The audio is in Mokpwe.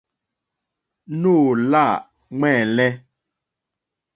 Nóò lâ ŋwɛ́ǃɛ́lɛ́.